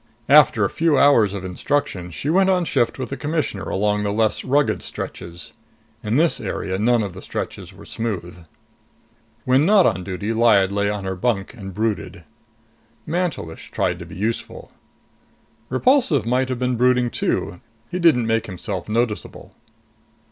After a few hours of instruction, she went on shift with the Commissioner along the less rugged stretches. In this area, none of the stretches were smooth. When not on duty, Lyad lay on her bunk and brooded. Mantelish tried to be useful. Repulsive might have been brooding too. He didn't make himself noticeable.